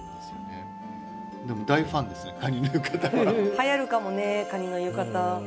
はやるかもねカニの浴衣。